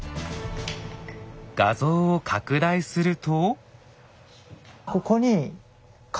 画像を拡大すると。